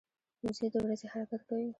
وزې د ورځي حرکت کوي